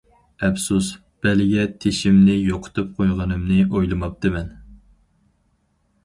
ئەپسۇس، بەلگە تېشىمنى يوقىتىپ قويغىنىمنى ئويلىماپتىمەن.